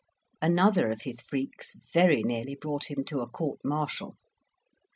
Another of his freaks very nearly brought him to a court martial.